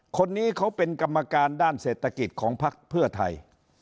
คนนี้เขาเป็นกรรมการด้านเศรษฐกิจของพักเพื่อไทย